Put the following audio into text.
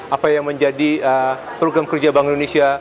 apa yang menjadi program kerja bank indonesia